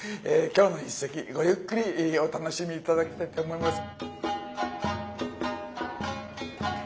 今日の一席ごゆっくりお楽しみ頂きたいと思います。